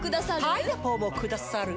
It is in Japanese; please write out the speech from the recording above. パイナポーもくださるぅ？